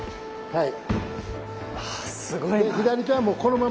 はい。